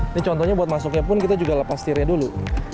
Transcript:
ini contohnya buat masuknya pun kita juga lepas setirnya dulu